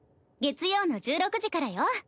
月曜の１６時からよ。